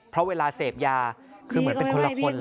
เพราะเวลาเสพยาคือเหมือนเป็นคนละคนเลย